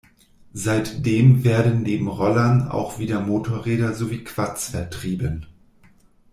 Seitdem werden neben Rollern auch wieder Motorräder sowie Quads vertrieben.